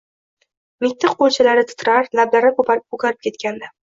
Mitti qo`lchalari titrar, lablari ko`karib ketgandi